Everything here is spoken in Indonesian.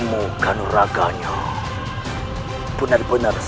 bukannya kau sedang mencari